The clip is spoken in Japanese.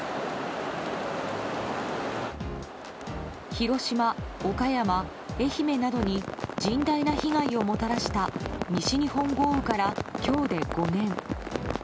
広島、岡山、愛媛などに甚大な被害をもたらした西日本豪雨から今日で５年。